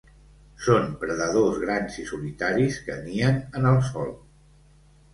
Són predadors grans i solitaris que nien en el sòl.